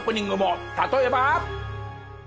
例えば。